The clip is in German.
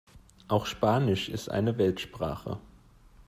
Auch Spanisch ist eine Weltsprache.